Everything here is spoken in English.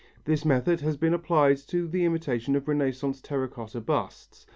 This method has been applied to the imitation of Renaissance terra cotta busts.